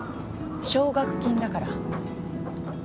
奨学金だから。